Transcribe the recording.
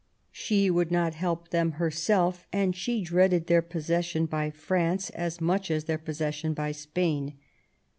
She would not help them herself, and she dreaded their possession by France as much as their possession by Spain.